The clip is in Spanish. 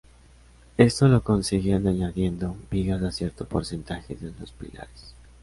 Esto lo conseguían añadiendo vigas a cierto porcentaje de los pilares.